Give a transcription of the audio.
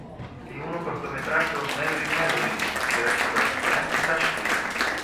È uno cortometraggio "Merrie Melodies" diretto da Frank Tashlin.